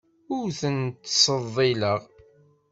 Ur ten-ttseḍḍileɣ.